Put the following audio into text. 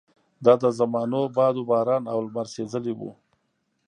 دا د زمانو باد وباران او لمر سېزلي وو.